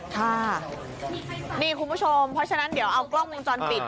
ค่ะนี่คุณผู้ชมเพราะฉะนั้นเดี๋ยวเอากล้องวงจรปิด